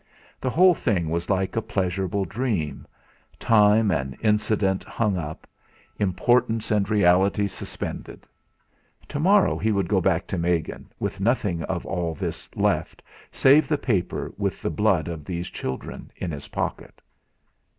The whole thing was like a pleasurable dream; time and incident hung up, importance and reality suspended. Tomorrow he would go back to Megan, with nothing of all this left save the paper with the blood of these children, in his pocket.